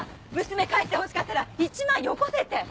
娘返してほしかったら１万よこせって！